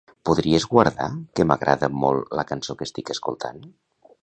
Podries guardar que m'agrada molt la cançó que estic escoltant?